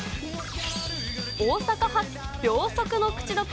大阪発、秒速の口溶け！